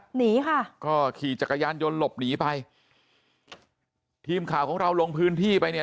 หนีค่ะก็ขี่จักรยานยนต์หลบหนีไปทีมข่าวของเราลงพื้นที่ไปเนี่ย